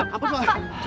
pak pak pak